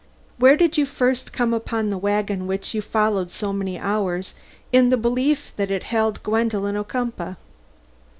Where did you first come upon the wagon which you followed so many hours in the belief that it held Gwendolen Ocumpaugh?"